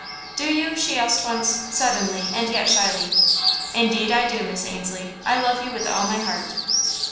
"Do you?" she asked once, suddenly and yet shyly. "Indeed I do, Miss Ainslie I love you with all my heart."